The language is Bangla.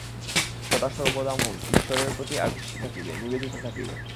সদাসর্বদা মন ঈশ্বরের প্রতি আকৃষ্ট থাকিবে, নিবেদিত থাকিবে।